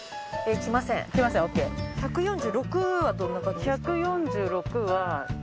１４６は。